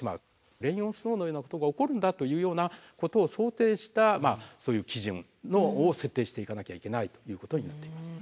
レイン・オン・スノーのようなことが起こるんだというようなことを想定したそういう基準を設定していかなきゃいけないということになっています。